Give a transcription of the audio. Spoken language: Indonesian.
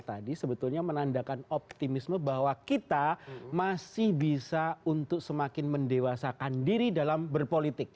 tadi sebetulnya menandakan optimisme bahwa kita masih bisa untuk semakin mendewasakan diri dalam berpolitik